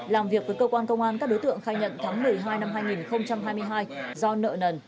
làm việc với cơ quan công an các đối tượng khai nhận tháng một mươi hai năm hai nghìn hai mươi hai do nợ nần